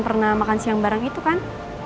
pernah makan siang bareng itu kan